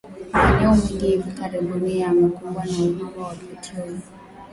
Maeneo mengi hivi karibuni yamekumbwa na uhaba wa petroli